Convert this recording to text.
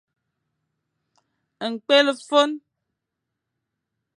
Ñkwel ô fôn.